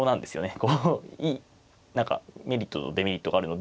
こう何かメリットとデメリットがあるので。